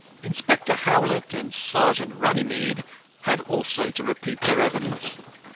Inspector HOWLETT and Sergeant RUNNYMEDE had also to repeat their evidence. Dr.